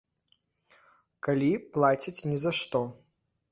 Калі плацяць ні за што.